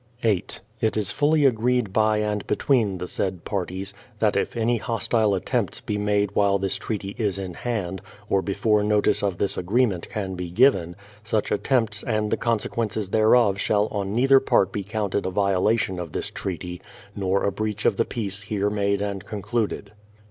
8. It is fully agreed by and between the said parties, that if any hostile attempts be made while this treaty is in hand, or before notice of this agreement can be given, such attempts and the con sequences thereof shall on neither part be counted a violation of this treaty, nor a breach of the peace here made and concluded.